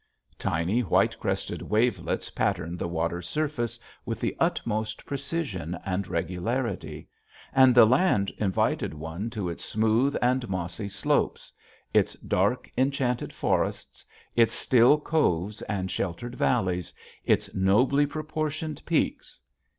Tiny white crested wavelets patterned the water's surface with the utmost precision and regularity; and the land invited one to its smooth and mossy slopes, its dark enchanted forests, its still coves and sheltered valleys, its nobly proportioned peaks.